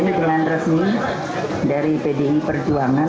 ya ini dengan resmi dari pdi perjuangan